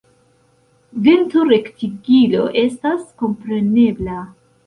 Dentorektigilo estas komprenebla.